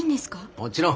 もちろん。